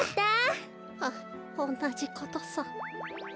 はっおんなじことさ。